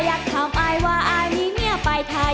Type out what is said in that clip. อยากถามอายว่าอายมีเมียไปทาย